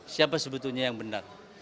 siapa sebetulnya yang benar